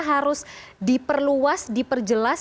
harus diperluas diperjelas